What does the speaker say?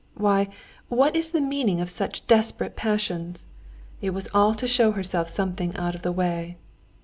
Why, what is the meaning of such desperate passions? It was all to show herself something out of the way.